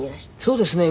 そうですね。